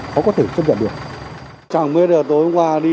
khó có thể chấp nhận được